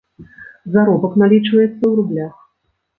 Заробак налічваецца ў рублях.